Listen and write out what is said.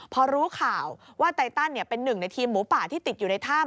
พอรู้ข่าวว่าไตตันเป็นหนึ่งในทีมหมูป่าที่ติดอยู่ในถ้ำ